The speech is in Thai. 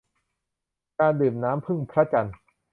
การดื่มน้ำผึ้งพระจันทร์